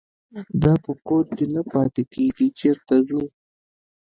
دا په کور کې نه پاتېږي چېرته ځو.